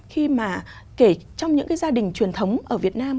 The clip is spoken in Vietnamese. khi mà kể trong những cái gia đình truyền thống ở việt nam